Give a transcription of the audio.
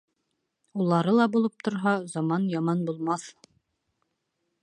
Улары ла булып торһа, заман яман булмаҫ.